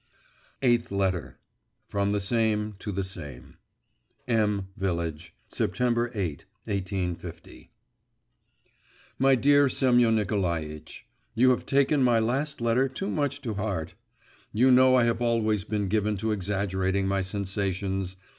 EIGHTH LETTER From the SAME to the SAME M VILLAGE, September 8, 1850. My dear Semyon Nikolaitch, You have taken my last letter too much to heart. You know I have always been given to exaggerating my sensations.